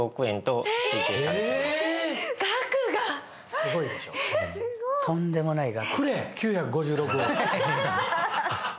すごいでしょうとんでもない額。